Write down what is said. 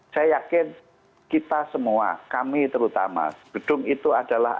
saya yakin kita semua kami terutama gedung itu adalah